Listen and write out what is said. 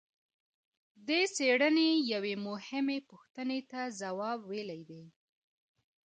دې څېړنې یوې مهمې پوښتنې ته ځواب ویلی دی.